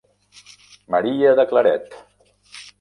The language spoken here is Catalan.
Maria de Claret.